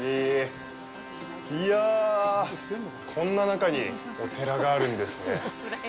いや、こんな中にお寺があるんですね。